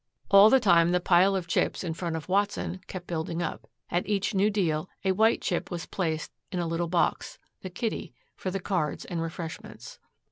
All the time the pile of chips in front of Watson kept building up. At each new deal a white chip was placed in a little box the kitty for the "cards and refreshments."